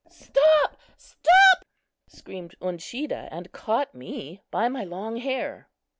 "Stop! stop!" screamed Uncheedah, and caught me by my long hair.